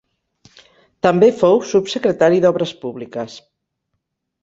També fou subsecretari d'Obres Públiques.